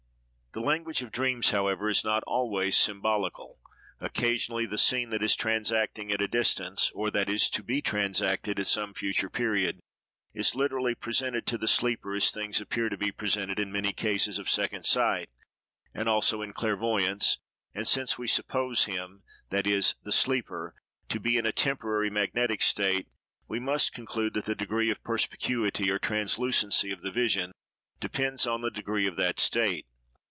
The language of dreams, however, is not always symbolical. Occasionally, the scene, that is transacting at a distance, or that is to be transacted at some future period, is literally presented to the sleeper, as things appear to be presented in many cases of second sight, and also in clairvoyance; and, since we suppose him (that is, the sleeper) to be in a temporarily magnetic state, we must conclude that the degree of perspicuity, or translucency of the vision, depends on the degree of that state.